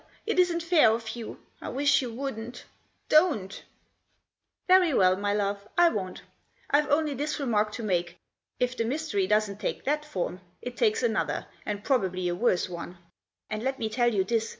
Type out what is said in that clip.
It isn't fair of you. I wish you wouldn't Don't !" "Very well, my love, I won't. I've only this remark to make — if the mystery doesn't take that Digitized by ioc tMe joss. form, it takes another, and probably a worse one. And let me tell you this.